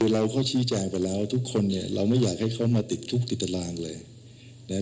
เราก็ชี้แจงไปแล้วทุกคนเนี่ยเราไม่อยากให้เขามาติดคุกติดตารางเลยนะครับ